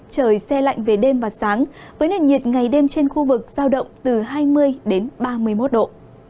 trời xe lạnh về đêm và sáng với nền nhiệt ngày đêm trên khu vực giao động từ hai mươi đến ba mươi một độ